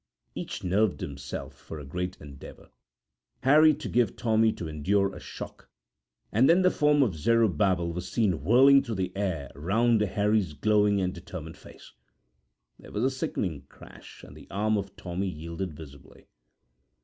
Each nerved himself for a great endeavour, Harry to give, Tommy to endure a shock, and then the form of Zerubbabel was seen whirling through the air round Harry's glowing and determined face. There was a sickening crash and the arm of Tommy yielded visibly.